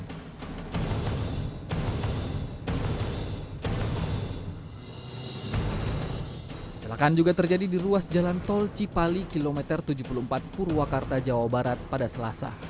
kecelakaan juga terjadi di ruas jalan tol cipali kilometer tujuh puluh empat purwakarta jawa barat pada selasa